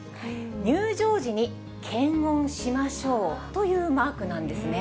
入場時に検温しましょうというマークなんですね。